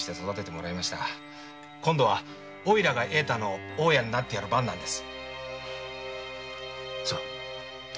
今度はおいらが栄太の大家になってやる番なんです。